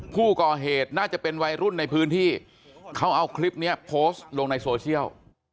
ผู้ก่อเหตุน่าจะเป็นวัยรุ่นในพื้นที่เขาเอาคลิปนี้โพสต์ลงในโซเชียล